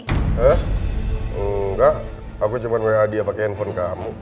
hah enggak aku cuma mau hadiah pake handphone kamu